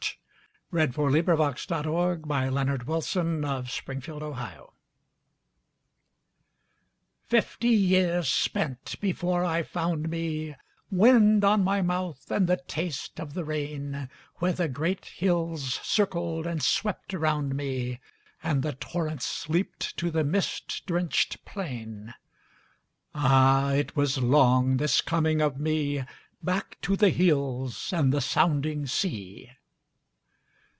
(1869–1948). The Second Book of Modern Verse. 1922. Fifty Years Spent FIFTY years spent before I found me, Wind on my mouth and the taste of the rain, Where the great hills circled and swept around meAnd the torrents leapt to the mist drenched plain; Ah, it was long this coming of meBack to the hills and the sounding sea.